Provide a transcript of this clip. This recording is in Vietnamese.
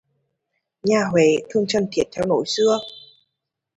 Nhà Huế thường trần thiết theo lối xưa